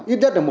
ít nhất là một